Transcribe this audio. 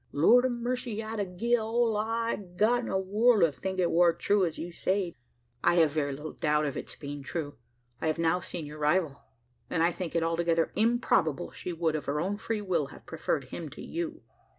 Lord o' mercy! I'd gie all I've got in the world, to think it war true as you've sayed." "I have very little doubt of its being true. I have now seen your rival; and I think it altogether improbable she would, of her own free will, have preferred him to you."